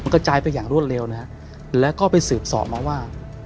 กระจายไปอย่างรวดเร็วนะฮะแล้วก็ไปสืบสอบมาว่า